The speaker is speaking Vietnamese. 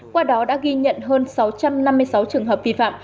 qua đó đã ghi nhận hơn sáu trăm năm mươi sáu trường hợp vi phạm